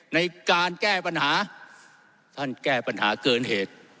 ในการแก้ปัญหาท่านแก้ปัญหาเกินเหตุ